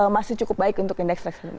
masih cukup baik untuk indeks tersebut